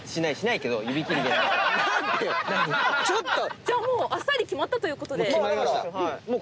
⁉じゃあもうあっさり決まったということで。